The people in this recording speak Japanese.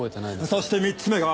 そして３つ目が。